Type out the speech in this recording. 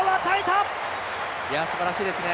すばらしいですね。